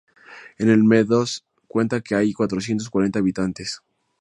En el de Madoz cuenta que hay cuatrocientos cuarenta habitantes.